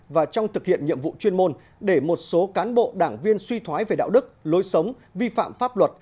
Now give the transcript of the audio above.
và trong thực hiện nhiệm vụ chuyên môn để một số cán bộ đảng viên suy thoái về đạo đức lối sống vi phạm pháp luật